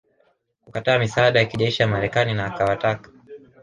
kukataa misaada ya kijeshi ya Marekani na akawataka